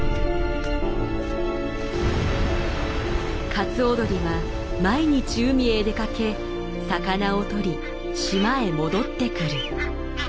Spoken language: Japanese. カツオドリは毎日海へ出かけ魚を取り島へ戻ってくる。